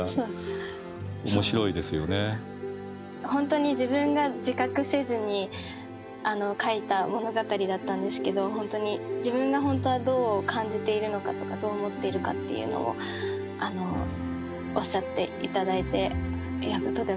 本当に自分が自覚せずに書いた物語だったんですけど本当に自分が本当はどう感じているのかとかどう思っているかっていうのをおっしゃって頂いてとてもうれしかったです。